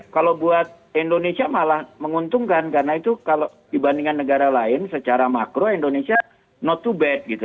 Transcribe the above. kalau buat indonesia malah menguntungkan karena itu kalau dibandingkan negara lain secara makro indonesia not to bet gitu